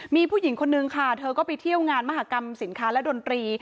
มีผู้หญิงคนนึงค่ะเธอก็ไปเที่ยวงานมหากรรมสินค้าและดนตรี